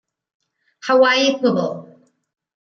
Hawaii Publ.